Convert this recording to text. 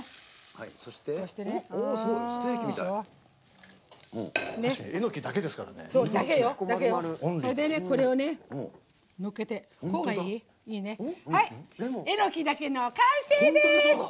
はい、「えのきだけ根」の完成です！